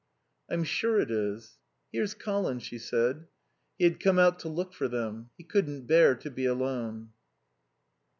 "I'm sure it is." "Here's Colin," she said. He had come out to look for them. He couldn't bear to be alone.